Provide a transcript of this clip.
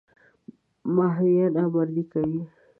ماهویه نامردي کوي.